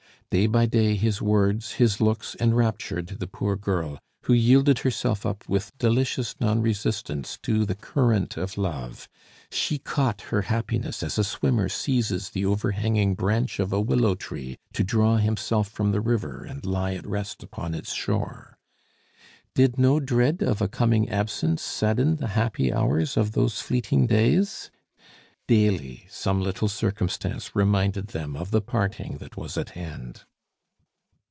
Day by day his words, his looks enraptured the poor girl, who yielded herself up with delicious non resistance to the current of love; she caught her happiness as a swimmer seizes the overhanging branch of a willow to draw himself from the river and lie at rest upon its shore. Did no dread of a coming absence sadden the happy hours of those fleeting days? Daily some little circumstance reminded them of the parting that was at hand.